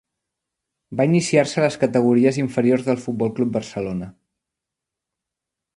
Va iniciar-se a les categories inferiors del Futbol Club Barcelona.